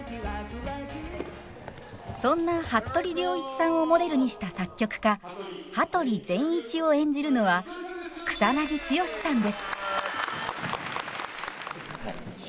そんな服部良一さんをモデルにした作曲家羽鳥善一を演じるのは草剛さんです。